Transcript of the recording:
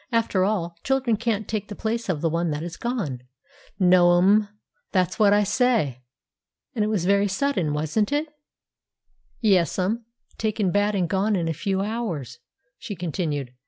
"After all, children can't take the place of the one that is gone." "No, m'm; that's what I say." "And it was very sudden, wasn't it?" "Yes'm; taken bad and gone in a few hours," she continued.